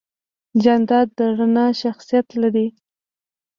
جانداد د رڼا شخصیت لري.